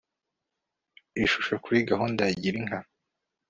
ishusho kuri gahunda ya girinka